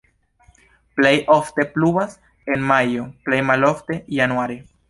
Plej ofte pluvas en majo, plej malofte januare.